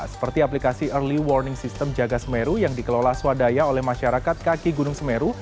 seperti aplikasi early warning system jaga semeru yang dikelola swadaya oleh masyarakat kaki gunung semeru